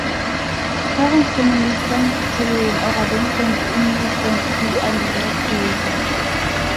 Parents commonly spank children or adolescents in response to undesired behavior.